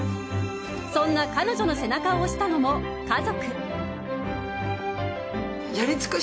そんな彼女の背中を押したのも家族。